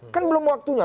kan belum waktunya